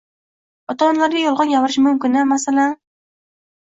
Ota-onalarga yolg'on gapirish mumkin-a?! Masalan